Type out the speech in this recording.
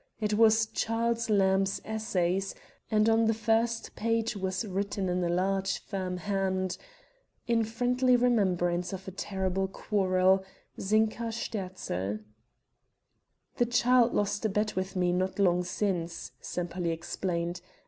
It was Charles Lamb's Essays, and on the first page was written in a large, firm hand: "In friendly remembrance of a terrible quarrel, Zinka Sterzl." "The child lost a bet with me not long since," Sempaly explained.